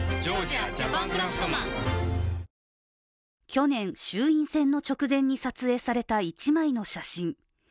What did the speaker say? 去年、衆院選の直前に撮影された一枚の写真。